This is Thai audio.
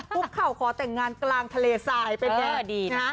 ปุ๊บเขาขอแต่งงานกลางทะเลทรายเป็นเยอะดีนะ